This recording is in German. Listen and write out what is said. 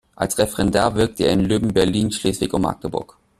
Als Referendar wirkte er in Lübben, Berlin, Schleswig und Magdeburg.